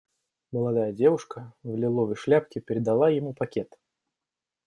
Молодая девушка в лиловой шляпке передала ему пакет.